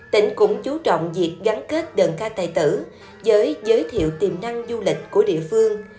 tỉnh cũng chú trọng việc gắn kết đơn ca tài tử với giới thiệu tiềm năng du lịch của địa phương